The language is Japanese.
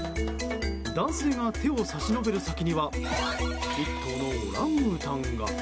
男性が手を差し伸べる先には１頭のオランウータンが。